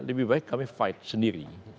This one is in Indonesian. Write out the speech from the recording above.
lebih baik kami fight sendiri